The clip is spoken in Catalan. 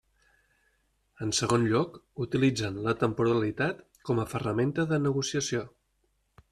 En segon lloc, utilitzen la temporalitat com a ferramenta de negociació.